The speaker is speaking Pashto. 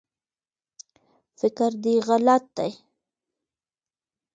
فکر دی غلط دی